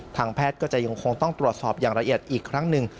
ทางแพทย์ก็จะยังคงต้องตรวจสอบอย่างละเอียดอีกครั้งหนึ่ง